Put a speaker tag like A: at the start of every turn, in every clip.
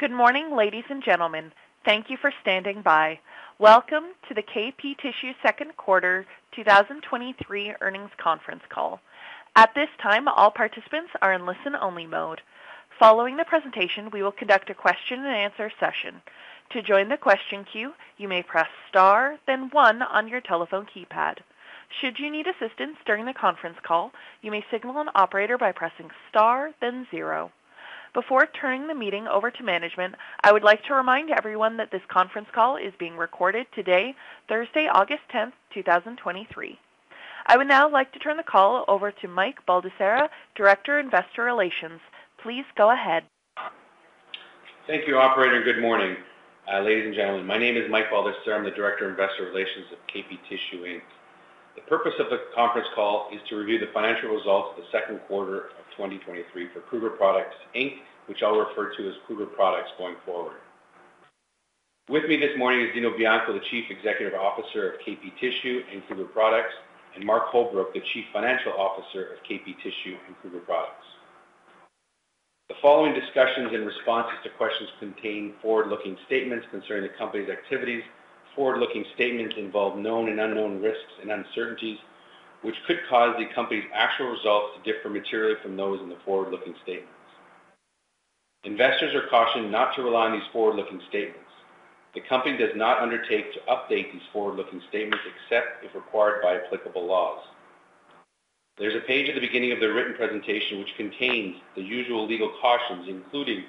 A: Good morning, ladies and gentlemen. Thank you for standing by. Welcome to the KP Tissue Second Quarter 2023 Earnings Conference Call. At this time, all participants are in listen-only mode. Following the presentation, we will conduct a question-and-answer session. To join the question queue, you may press Star, then 1 on your telephone keypad. Should you need assistance during the conference call, you may signal an operator by pressing Star, then 0. Before turning the meeting over to management, I would like to remind everyone that this conference call is being recorded today, Thursday, August tenth, 2023. I would now like to turn the call over to Mike Baldassarra, Director, Investor Relations. Please go ahead.
B: Thank you, operator, and good morning, ladies and gentlemen. My name is Mike Baldassarra. I'm the Director of Investor Relations at KP Tissue Inc. The purpose of the conference call is to review the financial results of the 2nd quarter of 2023 for Kruger Products Inc, which I'll refer to as Kruger Products going forward. With me this morning is Dino Bianco, the Chief Executive Officer of KP Tissue and Kruger Products, and Mark Holbrook, the Chief Financial Officer of KP Tissue and Kruger Products. The following discussions and responses to questions contain forward-looking statements concerning the company's activities. Forward-looking statements involve known and unknown risks and uncertainties, which could cause the company's actual results to differ materially from those in the forward-looking statements. Investors are cautioned not to rely on these forward-looking statements. The company does not undertake to update these forward-looking statements, except if required by applicable laws. There's a page at the beginning of the written presentation, which contains the usual legal cautions, including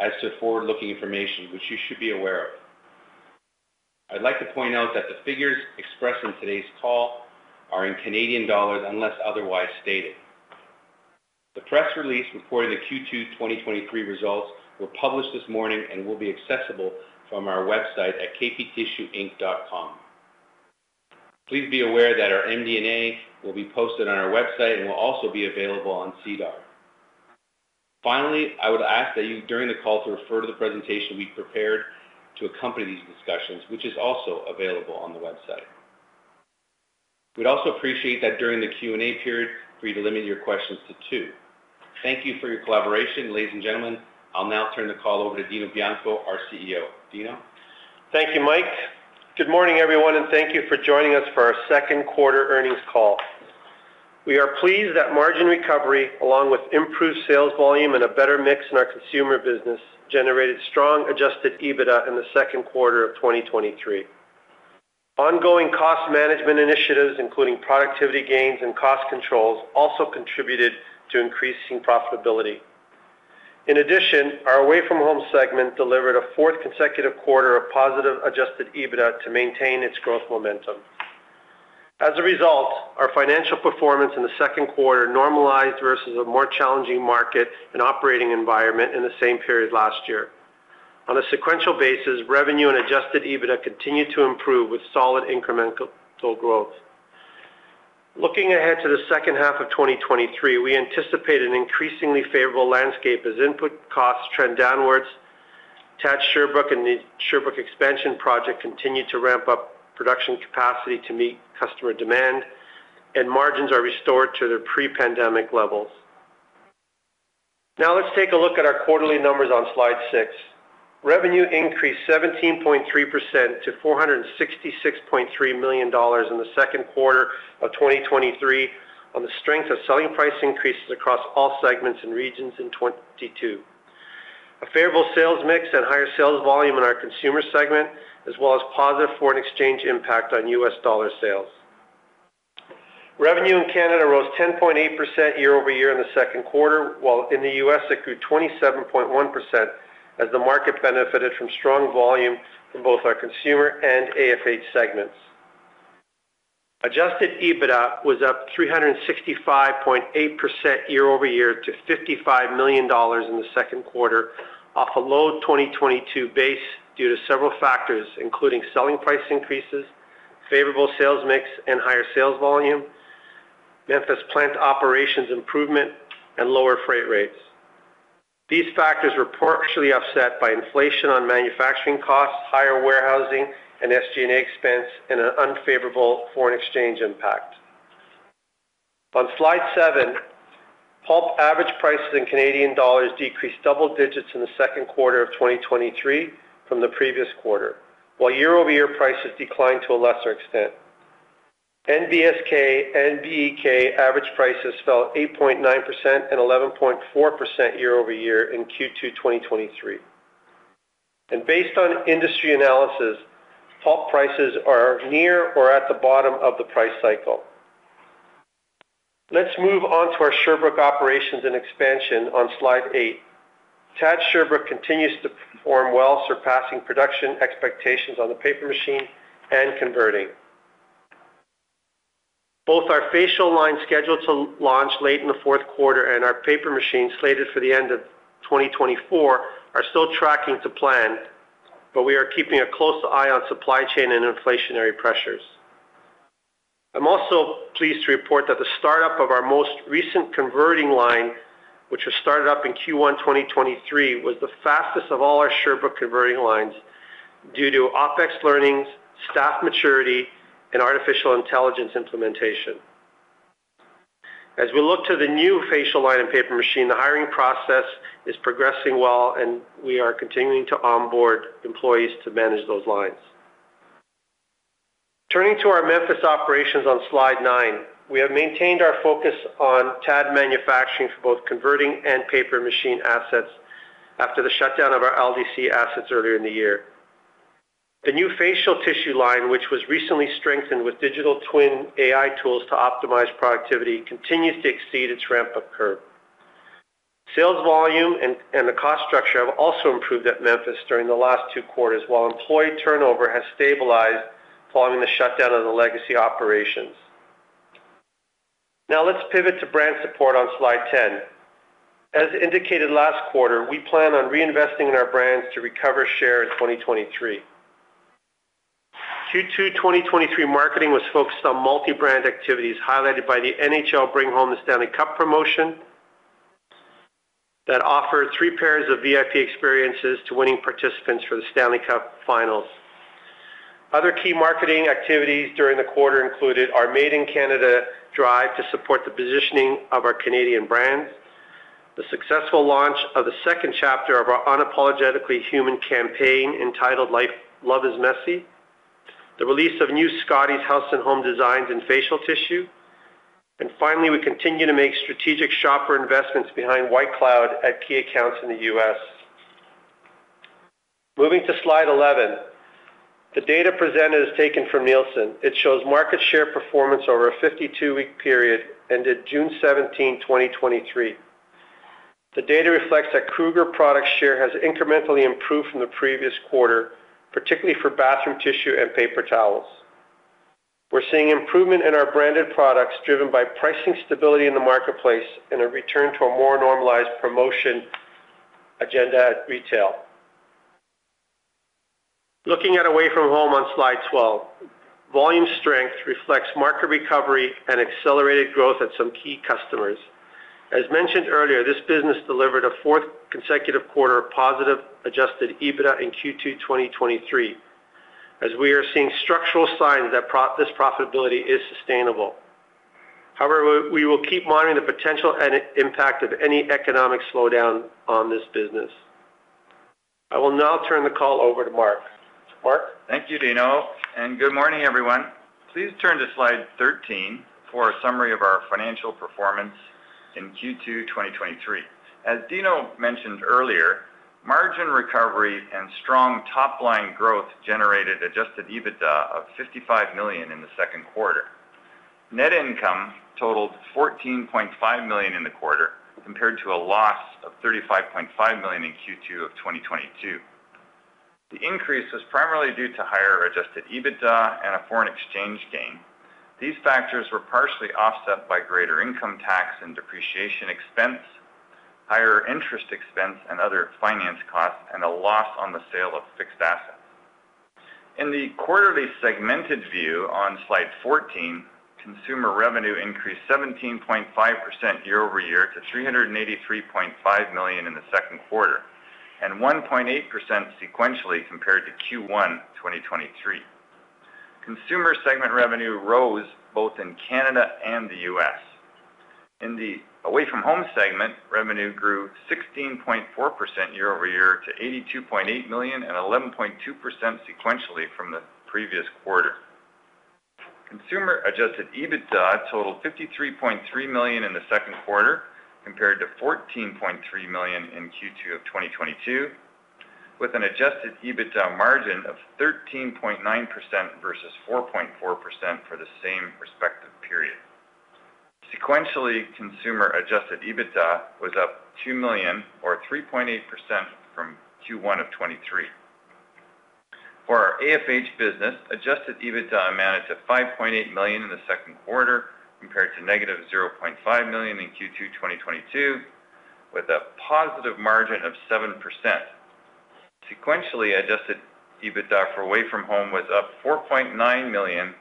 B: as to forward-looking information, which you should be aware of. I'd like to point out that the figures expressed in today's call are in Canadian dollars, unless otherwise stated. The press release reporting the Q2 2023 results were published this morning and will be accessible from our website at kptissueinc.com. Please be aware that our MD&A will be posted on our website and will also be available on SEDAR. Finally, I would ask that you, during the call, to refer to the presentation we prepared to accompany these discussions, which is also available on the website. We'd also appreciate that during the Q&A period for you to limit your questions to 2. Thank you for your collaboration, ladies and gentlemen. I'll now turn the call over to Dino Bianco, our CEO. Dino?
C: Thank you, Mike. Good morning, everyone, and thank you for joining us for our second quarter earnings call. We are pleased that margin recovery, along with improved sales volume and a better mix in our consumer business, generated strong Adjusted EBITDA in the second quarter of 2023. Ongoing cost management initiatives, including productivity gains and cost controls, also contributed to increasing profitability. In addition, our away from home segment delivered a fourth consecutive quarter of positive Adjusted EBITDA to maintain its growth momentum. As a result, our financial performance in the second quarter normalized versus a more challenging market and operating environment in the same period last year. On a sequential basis, revenue and Adjusted EBITDA continued to improve with solid incremental growth. Looking ahead to the second half of 2023, we anticipate an increasingly favorable landscape as input costs trend downwards. TAD Sherbrooke and the Sherbrooke expansion project continue to ramp up production capacity to meet customer demand. Margins are restored to their pre-pandemic levels. Now, let's take a look at our quarterly numbers on slide 6. Revenue increased 17.3% to 466.3 million dollars in the second quarter of 2023 on the strength of selling price increases across all segments and regions in 2022. A favorable sales mix and higher sales volume in our consumer segment, as well as positive foreign exchange impact on US dollar sales. Revenue in Canada rose 10.8% year-over-year in the second quarter, while in the US, it grew 27.1% as the market benefited from strong volume in both our consumer and AFH segments. Adjusted EBITDA was up 365.8% year-over-year to 55 million dollars in the second quarter, off a low 2022 base due to several factors, including selling price increases, favorable sales mix, and higher sales volume, Memphis plant operations improvement, and lower freight rates. These factors were partially offset by inflation on manufacturing costs, higher warehousing and SG&A expense, and an unfavorable foreign exchange impact. On slide 7, pulp average prices in Canadian dollars decreased double digits in the second quarter of 2023 from the previous quarter, while year-over-year prices declined to a lesser extent. NBSK and BEK average prices fell 8.9% and 11.4% year-over-year in Q2 2023. Based on industry analysis, pulp prices are near or at the bottom of the price cycle. Let's move on to our Sherbrooke operations and expansion on slide 8. TAD Sherbrooke continues to perform well, surpassing production expectations on the paper machine and converting. Both our facial line, scheduled to launch late in the 4th quarter, and our paper machine, slated for the end of 2024, are still tracking to plan. We are keeping a close eye on supply chain and inflationary pressures. I'm also pleased to report that the startup of our most recent converting line, which was started up in Q1 2023, was the fastest of all our Sherbrooke converting lines due to OpEx learnings, staff maturity, and artificial intelligence implementation. As we look to the new facial line and paper machine, the hiring process is progressing well, and we are continuing to onboard employees to manage those lines. Turning to our Memphis operations on Slide 9, we have maintained our focus on TAD manufacturing for both converting and paper machine assets after the shutdown of our LDC assets earlier in the year. The new facial tissue line, which was recently strengthened with digital twin AI tools to optimize productivity, continues to exceed its ramp-up curve. Sales volume and the cost structure have also improved at Memphis during the last 2 quarters, while employee turnover has stabilized following the shutdown of the legacy operations. Let's pivot to brand support on Slide 10. As indicated last quarter, we plan on reinvesting in our brands to recover share in 2023. Q2 2023 marketing was focused on multi-brand activities, highlighted by the NHL Bring Home the Stanley Cup promotion, that offered 3 pairs of VIP experiences to winning participants for the Stanley Cup finals. Other key marketing activities during the quarter included our Made in Canada drive to support the positioning of our Canadian brands, the successful launch of the second chapter of our Unapologetically Human campaign, entitled Life Love Is Messy, the release of new Scotties House and Home designs and facial tissue. Finally, we continue to make strategic shopper investments behind White Cloud at key accounts in the U.S. Moving to Slide 11. The data presented is taken from Nielsen. It shows market share performance over a 52-week period, ended June 17, 2023. The data reflects that Kruger Products share has incrementally improved from the previous quarter, particularly for bathroom tissue and paper towels. We're seeing improvement in our branded products, driven by pricing stability in the marketplace and a return to a more normalized promotion agenda at retail. Looking at away from home on Slide 12, volume strength reflects market recovery and accelerated growth at some key customers. As mentioned earlier, this business delivered a 4th consecutive quarter of positive Adjusted EBITDA in Q2 2023, as we are seeing structural signs that this profitability is sustainable. However, we will keep monitoring the potential and impact of any economic slowdown on this business. I will now turn the call over to Mark. Mark?
D: Thank you, Dino, and good morning, everyone. Please turn to Slide 13 for a summary of our financial performance in Q2 2023. As Dino mentioned earlier, margin recovery and strong top-line growth generated Adjusted EBITDA of 55 million in the second quarter. Net income totaled 14.5 million in the quarter, compared to a loss of 35.5 million in Q2 2022. The increase was primarily due to higher Adjusted EBITDA and a foreign exchange gain. These factors were partially offset by greater income tax and depreciation expense, higher interest expense and other finance costs, and a loss on the sale of fixed assets. In the quarterly segmented view on Slide 14, consumer revenue increased 17.5% year-over-year to 383.5 million in the second quarter, and 1.8% sequentially compared to Q1 2023. Consumer segment revenue rose both in Canada and the U.S. In the away from home segment, revenue grew 16.4% year-over-year to 82.8 million, and 11.2% sequentially from the previous quarter. Consumer Adjusted EBITDA totaled 53.3 million in the second quarter, compared to 14.3 million in Q2 of 2022, with an Adjusted EBITDA margin of 13.9% versus 4.4% for the same respective period. Sequentially, consumer Adjusted EBITDA was up 2 million or 3.8% from Q1 of 2023. For our AFH business, Adjusted EBITDA managed at 5.8 million in the second quarter, compared to negative 0.5 million in Q2, 2022, with a positive margin of 7%. Sequentially, Adjusted EBITDA for away from home was up 4.9 million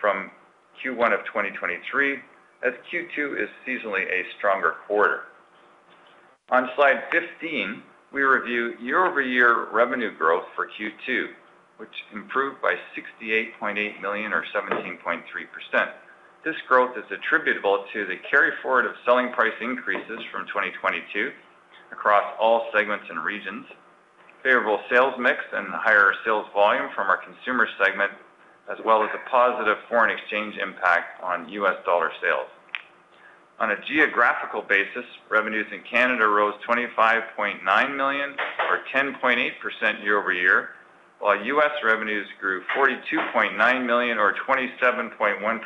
D: from Q1 of 2023, as Q2 is seasonally a stronger quarter. On Slide 15, we review year-over-year revenue growth for Q2, which improved by 68.8 million or 17.3%. This growth is attributable to the carry forward of selling price increases from 2022 across all segments and regions, favorable sales mix and higher sales volume from our consumer segment, as well as a positive foreign exchange impact on U.S. dollar sales. On a geographical basis, revenues in Canada rose 25.9 million or 10.8% year-over-year, while U.S. revenues grew 42.9 million or 27.1%.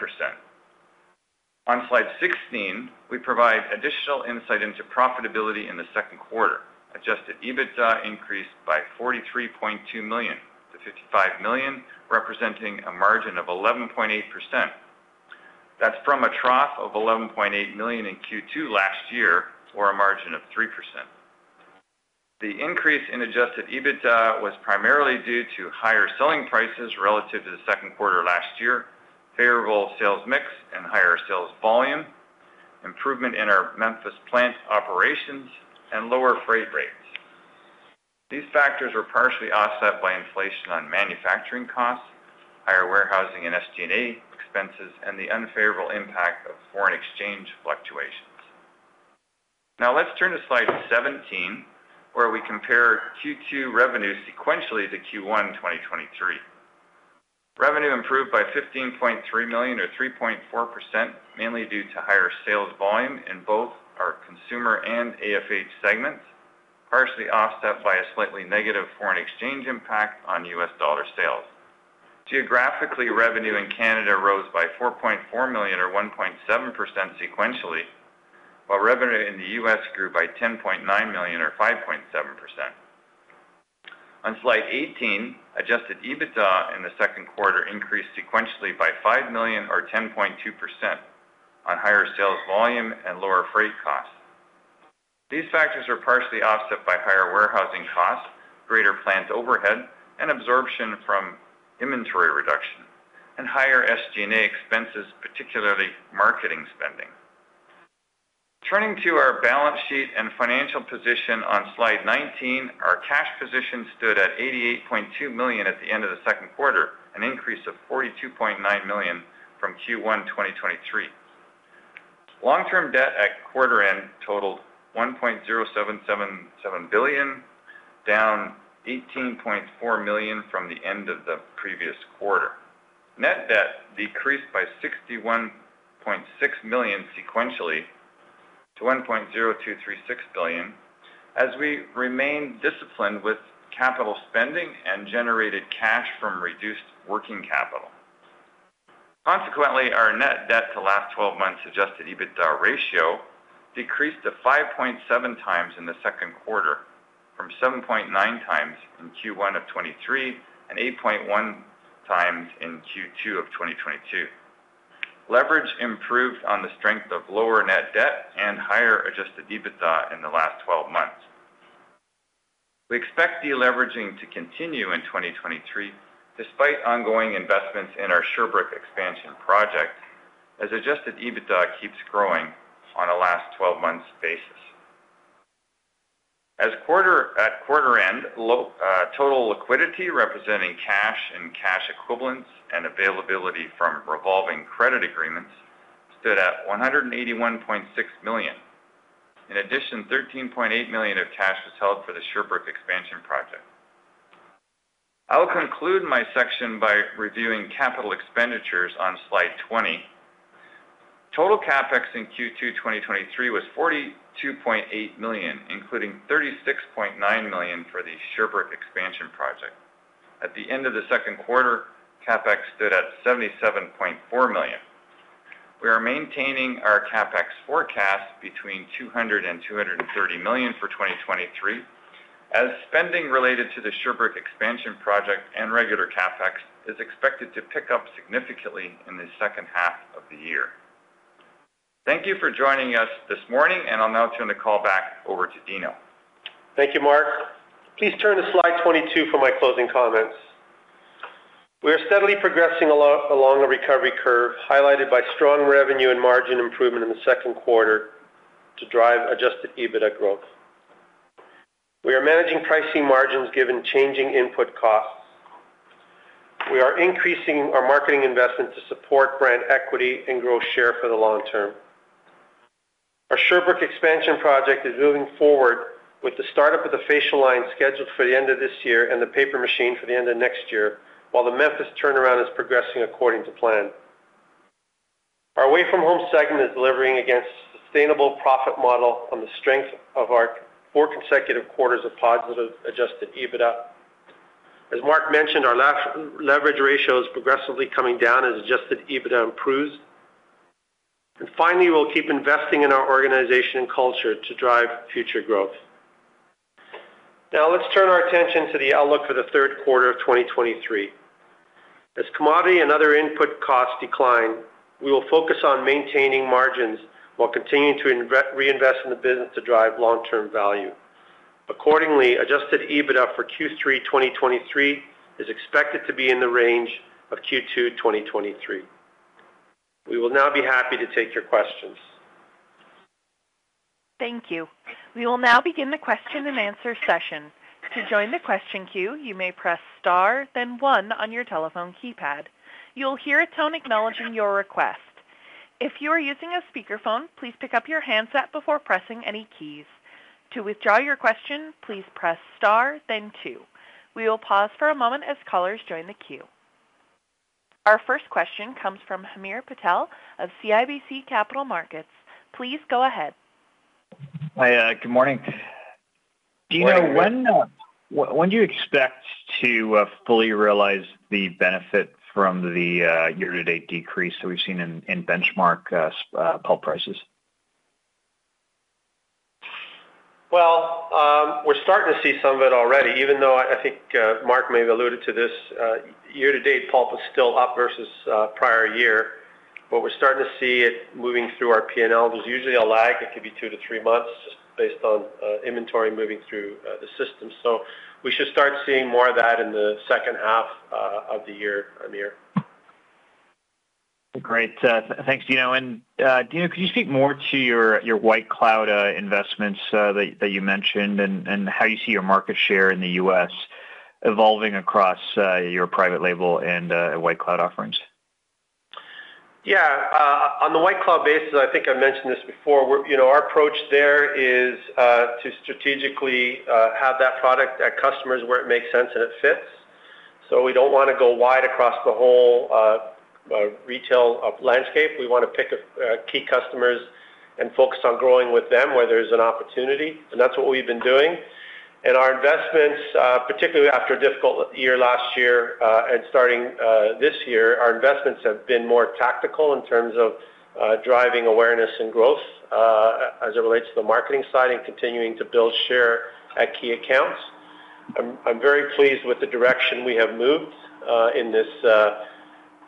D: On Slide 16, we provide additional insight into profitability in the second quarter. Adjusted EBITDA increased by 43.2 million to 55 million, representing a margin of 11.8%. That's from a trough of 11.8 million in Q2 last year, or a margin of 3%. The increase in Adjusted EBITDA was primarily due to higher selling prices relative to the second quarter last year, favorable sales mix and higher sales volume, improvement in our Memphis plant operations, and lower freight rates. These factors were partially offset by inflation on manufacturing costs, higher warehousing and SG&A expenses, and the unfavorable impact of foreign exchange fluctuations. Let's turn to slide 17, where we compare Q2 revenue sequentially to Q1 2023. Revenue improved by 15.3 million, or 3.4%, mainly due to higher sales volume in both our consumer and AFH segments, partially offset by a slightly negative foreign exchange impact on US dollar sales. Geographically, revenue in Canada rose by 4.4 million, or 1.7% sequentially, while revenue in the US grew by 10.9 million, or 5.7%. On slide 18, Adjusted EBITDA in the second quarter increased sequentially by 5 million or 10.2% on higher sales volume and lower freight costs. These factors were partially offset by higher warehousing costs, greater plant overhead and absorption from inventory reduction, and higher SG&A expenses, particularly marketing spending. Turning to our balance sheet and financial position on slide 19, our cash position stood at 88.2 million at the end of the second quarter, an increase of 42.9 million from Q1 2023. Long-term debt at quarter end totaled 1.0777 billion, down 18.4 million from the end of the previous quarter. Net debt decreased by $61.6 million sequentially to $1.0236 billion, as we remained disciplined with capital spending and generated cash from reduced working capital. Consequently, our net debt to last 12 months Adjusted EBITDA ratio decreased to 5.7 times in the second quarter from 7.9 times in Q1 of 2023, and 8.1 times in Q2 of 2022. Leverage improved on the strength of lower net debt and higher Adjusted EBITDA in the last 12 months. We expect deleveraging to continue in 2023, despite ongoing investments in our Sherbrooke expansion project, as Adjusted EBITDA keeps growing on a last 12 months basis. At quarter end, total liquidity, representing cash and cash equivalents and availability from revolving credit agreements, stood at $181.6 million. In addition, 13.8 million of cash was held for the Sherbrooke expansion project. I'll conclude my section by reviewing capital expenditures on slide 20. Total CapEx in Q2 2023 was 42.8 million, including 36.9 million for the Sherbrooke expansion project. At the end of the second quarter, CapEx stood at 77.4 million. We are maintaining our CapEx forecast between 200 million-230 million for 2023, as spending related to the Sherbrooke expansion project and regular CapEx is expected to pick up significantly in the second half of the year. Thank you for joining us this morning, and I'll now turn the call back over to Dino.
C: Thank you, Mark. Please turn to slide 22 for my closing comments. We are steadily progressing along a recovery curve, highlighted by strong revenue and margin improvement in the second quarter to drive Adjusted EBITDA growth. We are managing pricing margins given changing input costs. We are increasing our marketing investment to support brand equity and grow share for the long term. Our Sherbrooke expansion project is moving forward, with the startup of the facial line scheduled for the end of this year and the paper machine for the end of next year, while the Memphis turnaround is progressing according to plan. Our away from home segment is delivering against sustainable profit model on the strength of our 4 consecutive quarters of positive Adjusted EBITDA. As Mark mentioned, our leverage ratio is progressively coming down as Adjusted EBITDA improves. Finally, we'll keep investing in our organization and culture to drive future growth. Now, let's turn our attention to the outlook for the third quarter of 2023. As commodity and other input costs decline, we will focus on maintaining margins while continuing to reinvest in the business to drive long-term value. Accordingly, Adjusted EBITDA for Q3 2023 is expected to be in the range of Q2 2023. We will now be happy to take your questions.
A: Thank you. We will now begin the question-and-answer session. To join the question queue, you may press star, then one on your telephone keypad. You'll hear a tone acknowledging your request. If you are using a speakerphone, please pick up your handset before pressing any keys. To withdraw your question, please press star then two. We will pause for a moment as callers join the queue. Our first question comes from Hamir Patel of CIBC Capital Markets. Please go ahead.
E: Hi, good morning.
C: Good morning.
E: Dino, when, when do you expect to fully realize the benefit from the year-to-date decrease that we've seen in benchmark pulp prices?
C: Well, we're starting to see some of it already. Even though I, I think, Mark may have alluded to this, year-to-date, pulp is still up versus, prior year. We're starting to see it moving through our PNL. There's usually a lag. It could be two to three months, just based on, inventory moving through, the system. We should start seeing more of that in the second half, of the year, Amir.
E: Great. Thanks, Dino. Dino, could you speak more to your White Cloud investments that you mentioned, and how you see your market share in the U.S. evolving across your private label and White Cloud offerings?
C: Yeah, on the White Cloud basis, I think I mentioned this before. We're. You know, our approach there is to strategically have that product at customers where it makes sense and it fits. We don't want to go wide across the whole retail landscape. We want to pick up key customers and focus on growing with them where there's an opportunity, and that's what we've been doing. Our investments, particularly after a difficult year last year, and starting this year, our investments have been more tactical in terms of driving awareness and growth, as it relates to the marketing side and continuing to build share at key accounts. I'm very pleased with the direction we have moved in this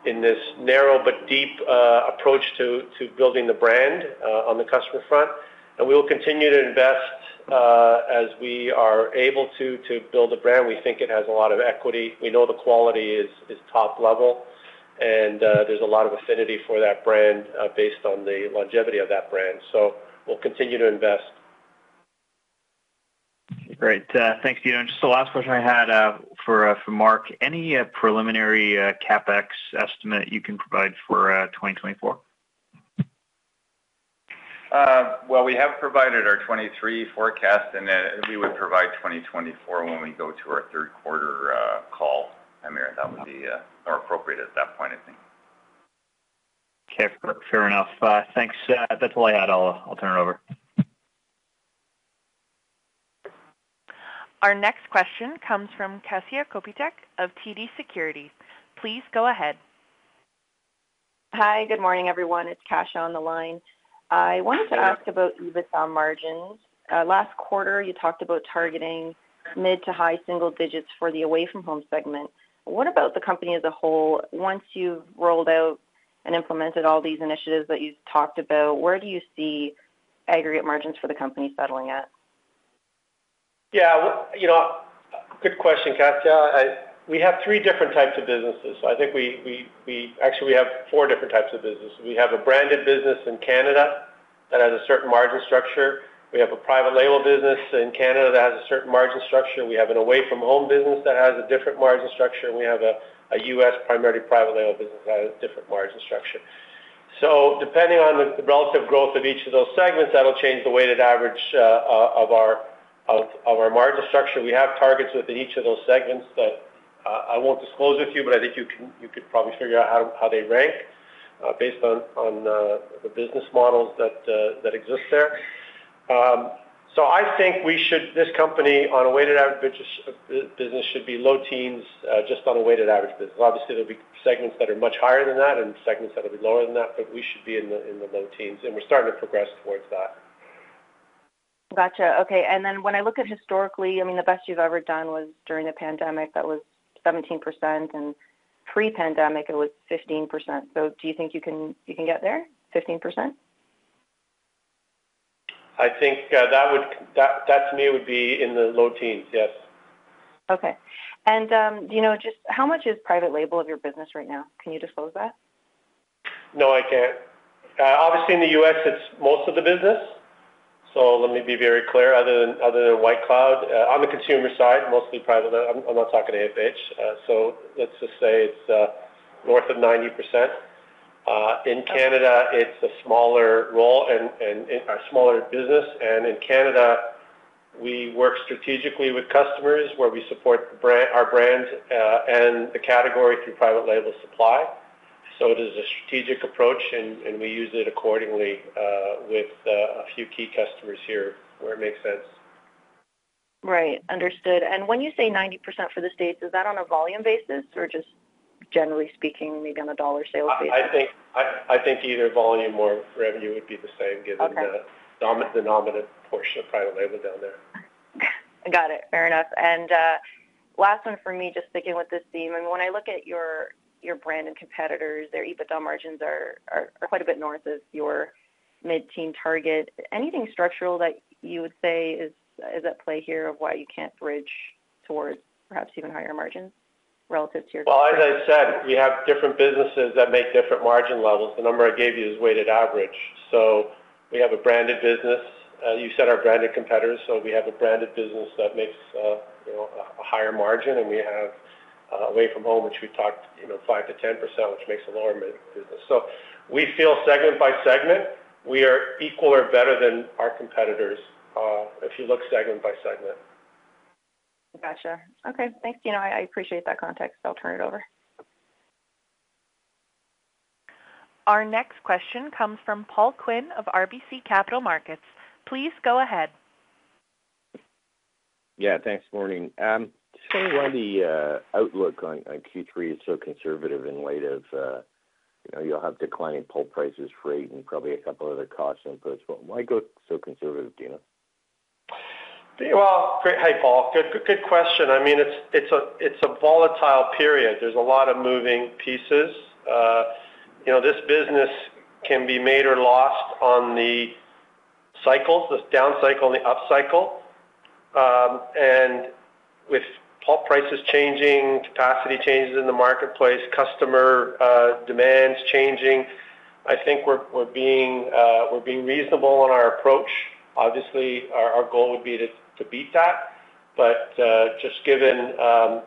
C: in this narrow but deep approach to building the brand on the customer front. We will continue to invest as we are able to build a brand. We think it has a lot of equity. We know the quality is top level, and there's a lot of affinity for that brand based on the longevity of that brand, so we'll continue to invest.
E: Great. Thanks, Dino. Just the last question I had for Mark: Any preliminary CapEx estimate you can provide for 2024?
D: Well, we have provided our 2023 forecast, and then we would provide 2024 when we go to our third quarter call, Amir. That would be more appropriate at that point, I think.
E: Okay, fair enough. Thanks. That's all I had. I'll, I'll turn it over.
A: Our next question comes from Kasia Kopytek of TD Securities. Please go ahead.
F: Hi, good morning, everyone. It's Kasia on the line. I wanted to ask about EBITDA margins. Last quarter, you talked about targeting mid to high single digits for the away-from-home segment. What about the company as a whole? Once you've rolled out and implemented all these initiatives that you talked about, where do you see aggregate margins for the company settling at?
C: Yeah, well, you know, good question, Kasia. We have 3 different types of businesses. I think actually, we have 4 different types of businesses. We have a branded business in Canada that has a certain margin structure. We have a private label business in Canada that has a certain margin structure. We have an away-from-home business that has a different margin structure, and we have a US primarily private label business that has a different margin structure. Depending on the relative growth of each of those segments, that'll change the weighted average of our margin structure. We have targets within each of those segments that I won't disclose with you, but I think you could probably figure out how they rank based on the business models that exist there. I think we should... This company, on a weighted average business, should be low teens, just on a weighted average business. Obviously, there'll be segments that are much higher than that and segments that will be lower than that, but we should be in the, in the low teens, and we're starting to progress towards that.
F: Gotcha. Okay, when I look at historically, I mean, the best you've ever done was during the pandemic. That was 17%, and pre-pandemic, it was 15%. Do you think you can, you can get there, 15%?
C: I think, that would, that, that to me, would be in the low teens, yes.
F: Okay. Do you know just how much is private label of your business right now? Can you disclose that?
C: No, I can't. Obviously, in the US, it's most of the business. Let me be very clear, other than, other than White Cloud, on the consumer side, mostly private label. I'm not talking to AFH. Let's just say it's north of 90%. In Canada, it's a smaller role and a smaller business. In Canada, we work strategically with customers where we support the brand, our brands, and the category through private label supply. It is a strategic approach, and we use it accordingly, with a few key customers here where it makes sense.
F: Right. Understood. When you say 90% for the U.S., is that on a volume basis or just generally speaking, maybe on a dollar sales basis?
C: I, I think, I, I think either volume or revenue would be the same-
F: Okay.
C: given the dominant portion of private label down there.
F: Got it. Fair enough. Last one for me, just sticking with this theme. I mean, when I look at your, your brand and competitors, their EBITDA margins are, are, are quite a bit north of your mid-teen target. Anything structural that you would say is, is at play here of why you can't bridge towards perhaps even higher margins relative to your-
C: Well, as I said, we have different businesses that make different margin levels. The number I gave you is weighted average. We have a branded business. You said our branded competitors, we have a branded business that makes, you know, a higher margin, and we have, away from home, which we talked, you know, 5%-10%, which makes a lower mid business. We feel segment by segment, we are equal or better than our competitors, if you look segment by segment.
F: Gotcha. Okay. Thank you. I appreciate that context. I'll turn it over.
A: Our next question comes from Paul Quinn of RBC Capital Markets. Please go ahead.
G: Yeah, thanks. Morning. Just wondering why the outlook on Q3 is so conservative in light of, you know, you'll have declining pulp prices, freight, and probably a couple other cost inputs. Why go so conservative, Dino?
C: Well, great. Hey, Paul. Good, good question. I mean, it's, it's a, it's a volatile period. There's a lot of moving pieces. you know, this business can be made or lost on the cycles, this downcycle and the upcycle with pulp prices changing, capacity changes in the marketplace, customer demands changing, I think we're, we're being, we're being reasonable in our approach. Obviously, our, our goal would be to, to beat that. just given...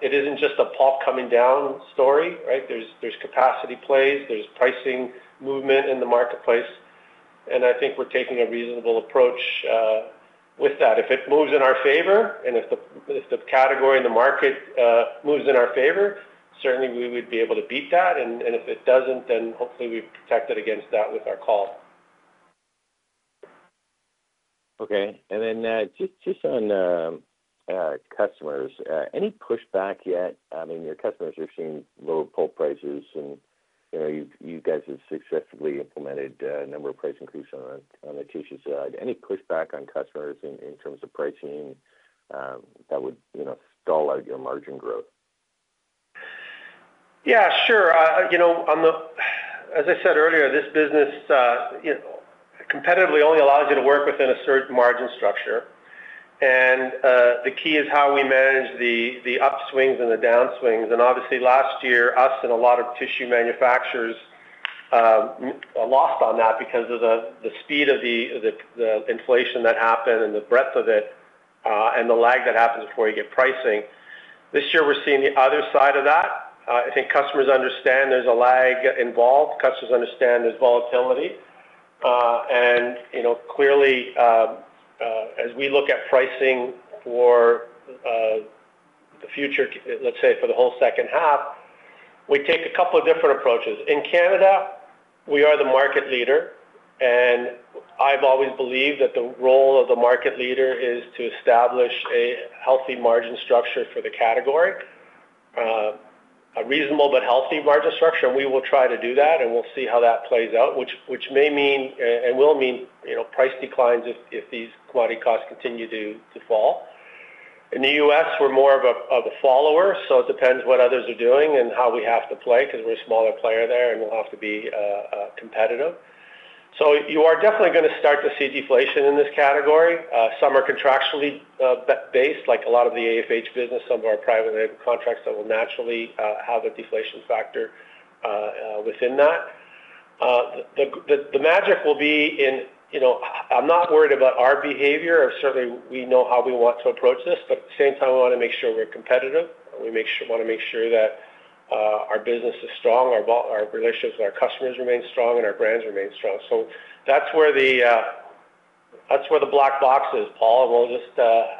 C: It isn't just a pulp coming down story, right? There's, there's capacity plays, there's pricing movement in the marketplace, and I think we're taking a reasonable approach with that. If it moves in our favor, and if the, if the category in the market, moves in our favor, certainly we would be able to beat that, and, and if it doesn't, then hopefully we've protected against that with our call.
G: Okay. Just on customers, any pushback yet? I mean, your customers are seeing lower pulp prices, and, you know, you guys have successfully implemented a number of price increases on the tissue side. Any pushback on customers in terms of pricing, that would, you know, stall out your margin growth?
C: Yeah, sure. You know, as I said earlier, this business, you know, competitively only allows you to work within a certain margin structure. The key is how we manage the upswings and the downswings. Obviously, last year, us and a lot of tissue manufacturers lost on that because of the speed of the inflation that happened and the breadth of it and the lag that happens before you get pricing. This year, we're seeing the other side of that. I think customers understand there's a lag involved, customers understand there's volatility. You know, clearly, as we look at pricing for the future, let's say for the whole second half, we take a couple of different approaches. In Canada, we are the market leader, and I've always believed that the role of the market leader is to establish a healthy margin structure for the category. A reasonable but healthy margin structure, we will try to do that, and we'll see how that plays out, which may mean, and will mean, you know, price declines if these commodity costs continue to fall. In the U.S., we're more of a follower, so it depends what others are doing and how we have to play, 'cause we're a smaller player there, and we'll have to be competitive. You are definitely gonna start to see deflation in this category. Some are contractually based, like a lot of the AFH business, some of our private label contracts that will naturally have a deflation factor within that. The, the, the magic will be in. You know, I'm not worried about our behavior, or certainly we know how we want to approach this, but at the same time, we wanna make sure we're competitive. We wanna make sure that our business is strong, our relationships with our customers remain strong, and our brands remain strong. That's where the, that's where the black box is, Paul, and we'll just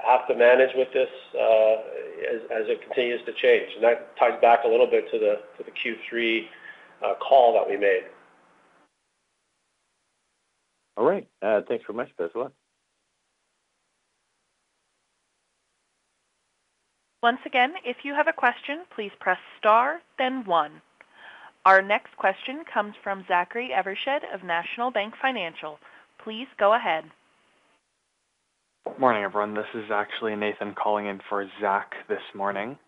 C: have to manage with this as, as it continues to change. That ties back a little bit to the, to the Q3 call that we made.
G: All right. Thanks very much, Dino.
A: Once again, if you have a question, please press Star, then 1. Our next question comes from Zachary Evershed of National Bank Financial. Please go ahead.
H: Morning, everyone. This is actually Nathan calling in for Zach this morning.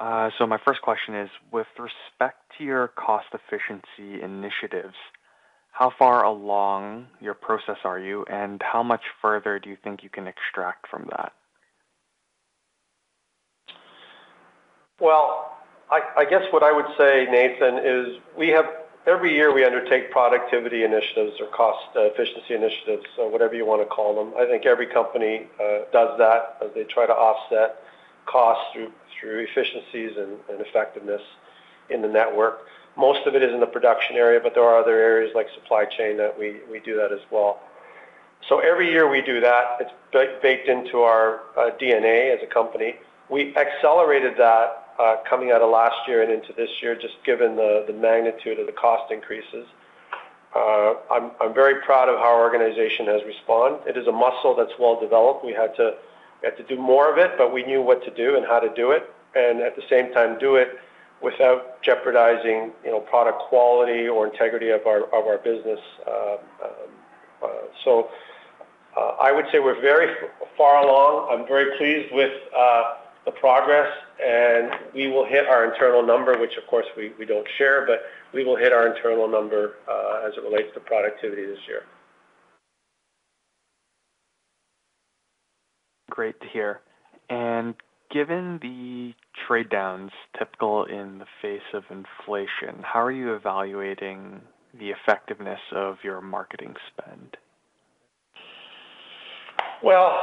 H: My first question is, with respect to your cost efficiency initiatives, how far along your process are you, and how much further do you think you can extract from that?
C: Well, I, I guess what I would say, Nathan, is we have every year, we undertake productivity initiatives or cost efficiency initiatives, so whatever you wanna call them. I think every company does that as they try to offset costs through efficiencies and effectiveness in the network. Most of it is in the production area, but there are other areas like supply chain that we do that as well. Every year we do that. It's baked into our DNA as a company. We accelerated that coming out of last year and into this year, just given the magnitude of the cost increases. I'm very proud of how our organization has responded. It is a muscle that's well developed. We had to, we had to do more of it, but we knew what to do and how to do it, and at the same time, do it without jeopardizing, you know, product quality or integrity of our, of our business. I would say we're very far along. I'm very pleased with the progress, and we will hit our internal number, which of course, we, we don't share, but we will hit our internal number as it relates to productivity this year.
H: Great to hear. Given the trade downs typical in the face of inflation, how are you evaluating the effectiveness of your marketing spend?
C: Well,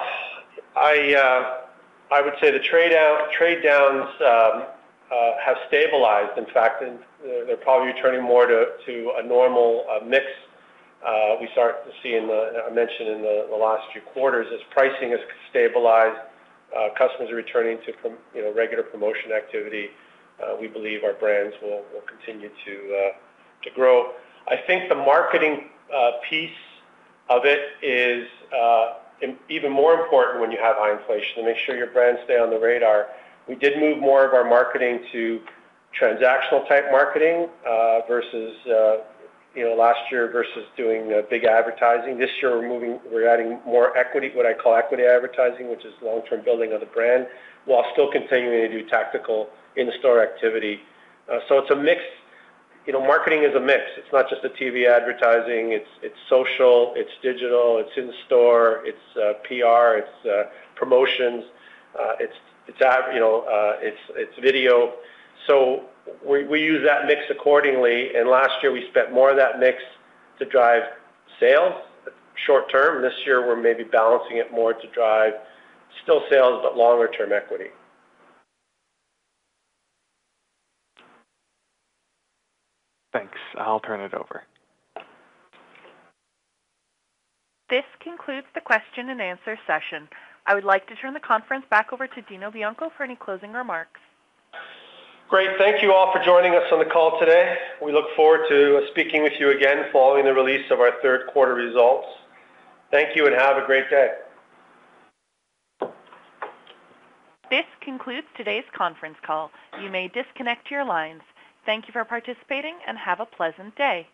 C: I, I would say the trade down, trade downs, have stabilized. In fact, they're probably returning more to, to a normal mix. We start to see in the... I mentioned in the, the last few quarters, as pricing has stabilized, customers are returning to you know, regular promotion activity. We believe our brands will, will continue to, to grow. I think the marketing piece of it is even more important when you have high inflation, to make sure your brands stay on the radar. We did move more of our marketing to transactional-type marketing, versus, you know, last year, versus doing big advertising. This year, we're adding more equity, what I call equity advertising, which is long-term building of the brand, while still continuing to do tactical in-store activity. It's a mix. You know, marketing is a mix. It's not just a TV advertising. It's, it's social, it's digital, it's in store, it's PR, it's promotions, it's, it's ad, you know, it's, it's video. We, we use that mix accordingly, and last year we spent more of that mix to drive sales short term. This year, we're maybe balancing it more to drive still sales, but longer term equity.
H: Thanks. I'll turn it over.
A: This concludes the question and answer session. I would like to turn the conference back over to Dino Bianco for any closing remarks.
C: Great. Thank you all for joining us on the call today. We look forward to speaking with you again following the release of our third quarter results. Thank you, and have a great day.
A: This concludes today's conference call. You may disconnect your lines. Thank you for participating, and have a pleasant day.